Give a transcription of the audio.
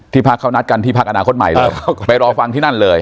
พักเขานัดกันที่พักอนาคตใหม่เลยไปรอฟังที่นั่นเลย